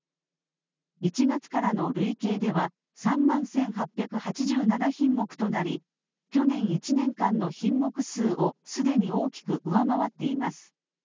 １月からの累計では３万１８８７品目となり去年１年間の品目数をすでに大きく上回っています。